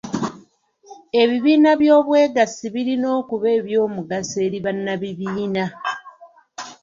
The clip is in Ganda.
Ebibiina by'obwegassi birina okuba eby'omugaso eri bannabibiina.